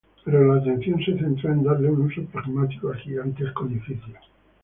Pero la atención se centró en darle un uso pragmático al gigantesco edificio.